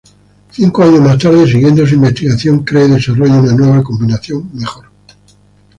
Cinco años más tarde, siguiendo su investigación, crea y desarrolla una nueva combinación mejor.